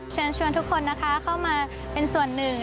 ชวนชวนทุกคนเข้ามาเป็นส่วนหนึ่ง